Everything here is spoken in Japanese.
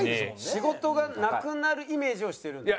仕事がなくなるイメージをしてるんだ？